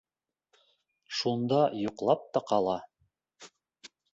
Шунда йоҡлап та ҡала.